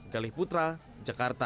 galih putra jakarta